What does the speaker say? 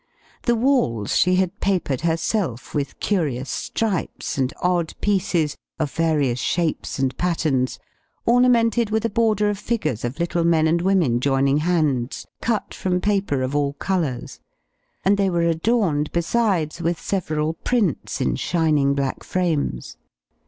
The walls she had papered herself, with curious stripes and odd pieces, of various shapes and patterns, ornamented with a border of figures of little men and women joining hands, cut from paper of all colors; and they were adorned, besides, with several prints in shining black frames.